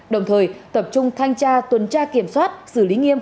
đồng thời tập trung thanh tra tuần tra kiểm soát xử lý nghiêm